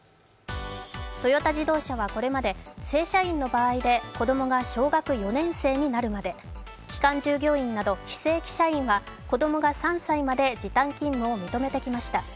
トヨタ自動車はこれまで正社員の場合で子供が小学４年生になるまで期間従業員など非正規社員は子供が３歳まで時短勤務を認めてきました。